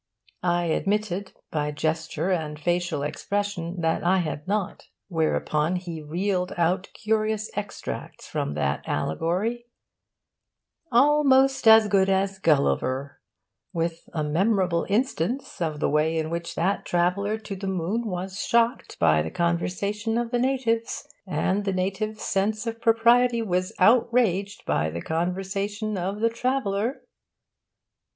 I admitted, by gesture and facial expression, that I had not. Whereupon he reeled out curious extracts from that allegory 'almost as good as "Gulliver"' with a memorable instance of the way in which the traveller to the moon was shocked by the conversation of the natives, and the natives' sense of propriety was outraged by the conversation of the traveller.